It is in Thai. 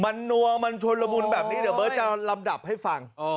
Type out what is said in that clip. มันนวมันทรวงรและบุญแบบนี้เดี๋ยวเบ๊อร์ทจะลำดับให้ฟัง